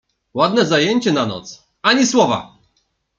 — Ładne zajęcie na noc, ani słowa!